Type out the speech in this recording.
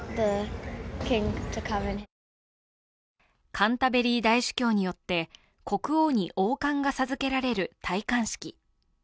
カンタベリー大主教によって国王に王冠が授けられる戴冠式。